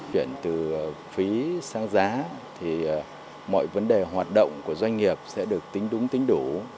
chuyển từ phí sang giá thì mọi vấn đề hoạt động của doanh nghiệp sẽ được tính đúng tính đủ